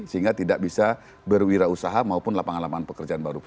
sehingga tidak bisa berwirausaha maupun lapangan lapangan pekerjaan baru